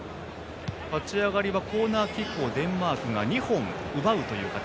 立ち上がりはコーナーキックをデンマークが２本奪うという形。